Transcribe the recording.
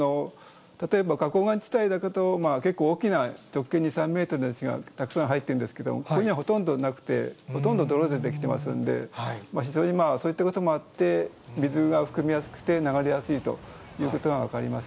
例えば、花崗岩地帯だと、結構大きな直径２、３メートルのやつがたくさん入っているんですけれども、ここにはほとんどなくて、ほとんど泥で出来てますんで、非常にそういったこともあって、水が含みやすくて、流れやすいということが分かります。